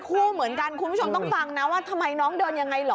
คู่เหมือนกันคุณผู้ชมต้องฟังนะว่าทำไมน้องเดินยังไงเหรอ